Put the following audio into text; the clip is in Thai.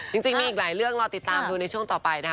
จริงมีอีกหลายเรื่องรอติดตามดูในช่วงต่อไปนะคะ